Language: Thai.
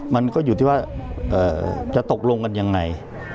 มันก็อยู่ที่ว่าจะตกลงกันยังไง